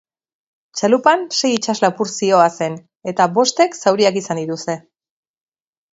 Txalupan sei itsas-lapur zihoazen, eta bostek zauriak izan dituzte.